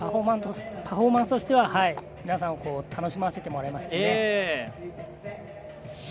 パフォーマンスとしては皆さん、楽しませてもらえますよね